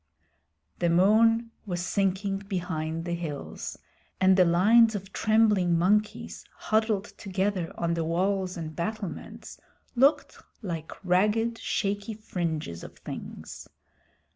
The moon was sinking behind the hills and the lines of trembling monkeys huddled together on the walls and battlements looked like ragged shaky fringes of things.